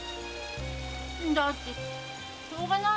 だってしょうがないでしょ。